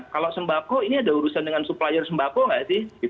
kalau sembako ini ada urusan dengan supplier sembako nggak sih